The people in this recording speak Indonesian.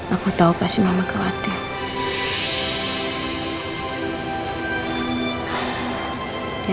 aku tau pasti mama khawatir ya